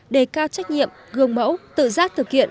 đề cao trách nhiệm gương mẫu tự giác thực hiện